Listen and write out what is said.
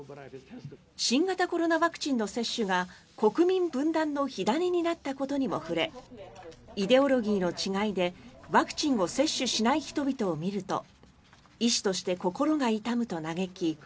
新型コロナワクチンの接種が国民分断の火種になったことにも触れイデオロギーの違いでワクチンを接種しない人々を見ると医師として心が痛むと嘆き